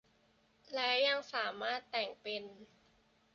และยังสามารถแต่งเป็น